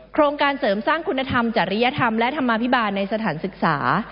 โครงการเสริมสร้างคุณธรรมจริยธรรมและธรรมาภิบาลในสถานศึกษา